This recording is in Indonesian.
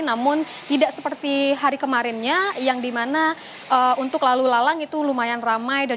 namun tidak seperti hari kemarinnya yang dimana untuk lalu lalang itu lumayan ramai